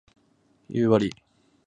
夕張